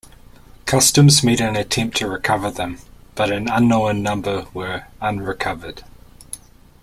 Customs made an attempt to recover them, but an unknown number were unrecovered.